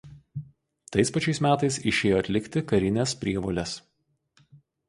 Tais pačiais metais išėjo atlikti karinės prievolės.